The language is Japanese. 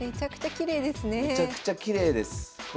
めちゃくちゃきれいですね。